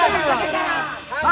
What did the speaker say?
dan pak padra chicken